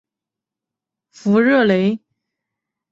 弗热雷。